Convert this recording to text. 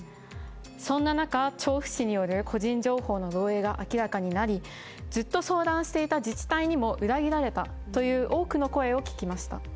そんな中、調布市による個人情報の漏えいが明らかになりずっと相談していた自治体にも裏切られたという多くの声を聞きました。